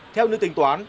theo những tính toán